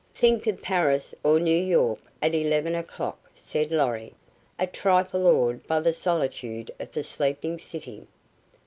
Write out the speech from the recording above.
"Think of Paris or New York at eleven o'clock," said Lorry, a trifle awed by the solitude of the sleeping city.